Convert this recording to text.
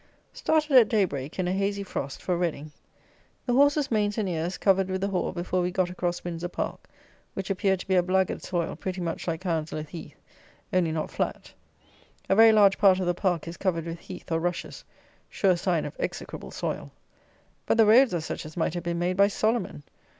_ Started at day break in a hazy frost, for Reading. The horses' manes and ears covered with the hoar before we got across Windsor Park, which appeared to be a blackguard soil, pretty much like Hounslow Heath, only not flat. A very large part of the Park is covered with heath or rushes, sure sign of execrable soil. But the roads are such as might have been made by Solomon.